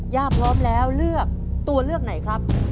พร้อมแล้วเลือกตัวเลือกไหนครับ